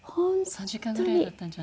３時間ぐらいだったんじゃない？